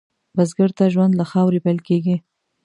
بزګر ته ژوند له خاورې پېل کېږي